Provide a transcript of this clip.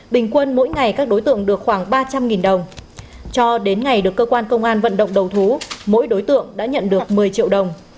bình quân mỗi ngày các đối tượng được khoảng ba trăm linh đồng cho đến ngày được cơ quan công an vận động đầu thú mỗi đối tượng đã nhận được một mươi triệu đồng